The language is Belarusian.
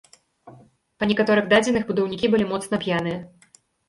Па некаторых дадзеных, будаўнікі былі моцна п'яныя.